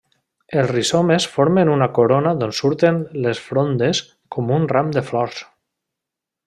Els rizomes formen una corona d'on surten les frondes com un ram de flors.